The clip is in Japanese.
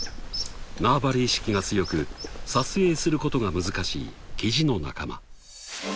［縄張り意識が強く撮影することが難しいキジの仲間］